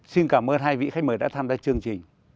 xin cảm ơn hai vị khách mời đã tham gia chương trình